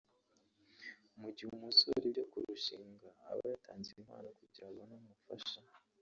Mu gihe umusore ujya kurushinga aba yatanze inkwano kugirango abone umufasha